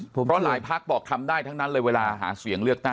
เพราะหลายพักบอกทำได้ทั้งนั้นเลยเวลาหาเสียงเลือกตั้ง